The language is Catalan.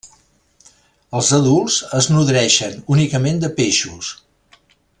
Els adults es nodreixen únicament de peixos.